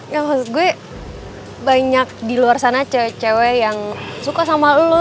yang maksud gue banyak di luar sana cewek cewek yang suka sama lo